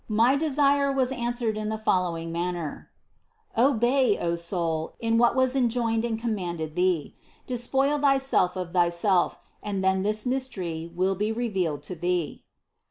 My desire was answered in the fol lowing manner: "Obey, O soul, in what was enjoined and commanded thee ; despoil thyself of thyself, and then this mystery will be revealed to thee."